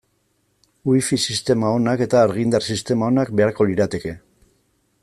Wifi sistema onak eta argindar sistema onak beharko lirateke.